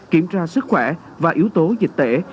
kiểm tra sức khỏe và yếu tố dịch tễ